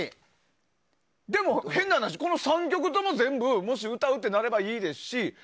でも変な話、３曲とも全部歌うってなればいいですし。